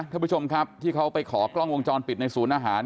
ท่านผู้ชมครับที่เขาไปขอกล้องวงจรปิดในศูนย์อาหาร